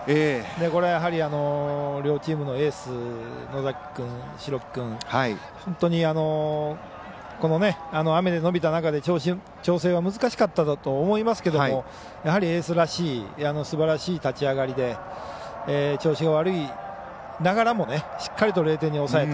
これはやはり両チームのエース、野崎君代木君、本当に雨で延びた中で調整が難しかったと思いますけどもやはりエースらしいすばらしい立ち上がりで調子が悪いながらもしっかりと０点に抑えた。